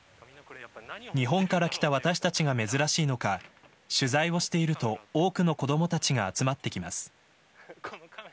日本から来た私たちが珍しいのか取材をしていると多くの子どもたちが集まってきます。